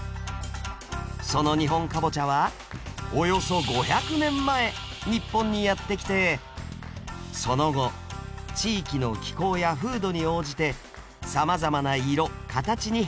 その日本カボチャはおよそ５００年前日本にやって来てその後地域の気候や風土に応じてさまざまな色形に変化しました。